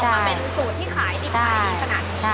ใช่ค่ะ